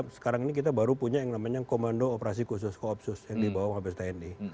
sekarang ini kita baru punya yang namanya komando operasi khusus koopsus yang dibawa mabes tni